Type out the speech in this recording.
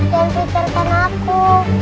jangan bicarkan aku